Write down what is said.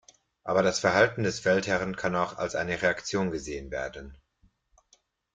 Aber das Verhalten des Feldherren kann auch als eine Reaktion gesehen werden.